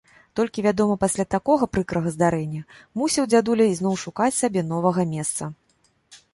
Толькі, вядома, пасля такога прыкрага здарэння мусіў дзядуля ізноў шукаць сабе новага месца.